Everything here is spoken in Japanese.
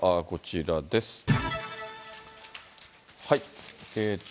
こちらです。